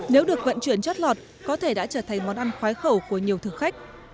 nếu được vận chuyển chót lọt có thể đã trở thành món ăn khoái khẩu của nhiều thực khách